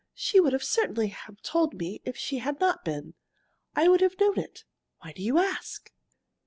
She would certainly have told me if she had not been. I would have known it. Why do you ask?"